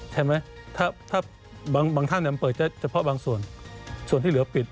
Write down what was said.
ใช่ไหมถ้าบางท่านเปิดเฉพาะบางส่วนส่วนที่เหลือปิด